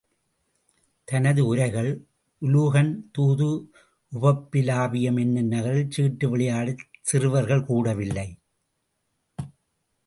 துனது உரைகள் உலூகன் தூது உபப்பிலாவியம் என்னும் நகரில் சீட்டு விளையாடச் சிறுவர்கள் கூடவில்லை.